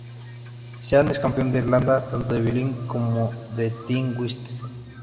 Seán es campeón de Irlanda tanto de violín como de "tin whistle".